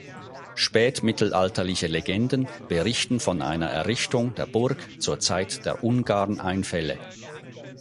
Spätmittelalterliche Legenden berichten von einer Errichtung der Burg zur Zeit der Ungarneinfälle.